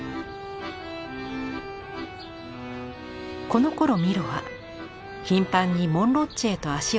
このころミロは頻繁にモンロッチへと足を運びます。